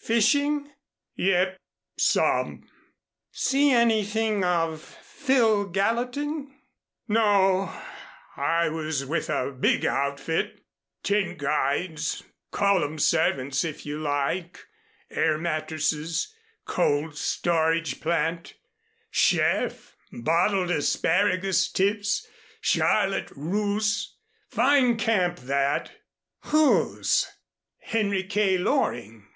"Fishing?" "Yep some." "See anything of Phil Gallatin?" "No. I was with a big outfit ten guides, call 'em servants, if you like. Air mattresses, cold storage plant, chef, bottled asparagus tips, Charlotte Russe fine camp that!" "Whose?" "Henry K. Loring.